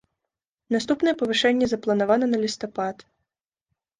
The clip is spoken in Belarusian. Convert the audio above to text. Наступнае павышэнне запланавана на лістапад.